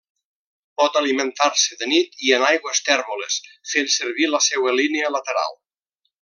Pot alimentar-se de nit i en aigües tèrboles fent servir la seua línia lateral.